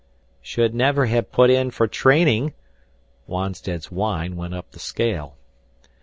"Should never have put in for training " Wonstead's whine went up the scale.